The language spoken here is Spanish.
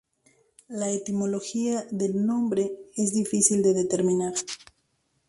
La etimología del nombre es difícil de determinar.